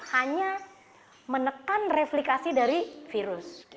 hanya menekan replikasi dari virus